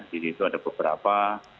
di situ ada beberapa